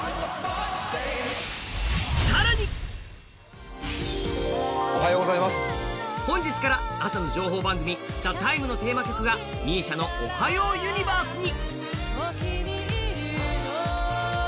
更に、本日から朝の情報番組、「ＴＨＥＴＩＭＥ，」のテーマ曲がＭＩＳＩＡの「おはようユニバース」に。